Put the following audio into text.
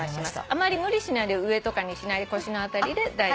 あまり無理しないで上とかにしないで腰の辺りで大丈夫。